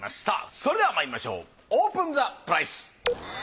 それではまいりましょうオープンザプライス。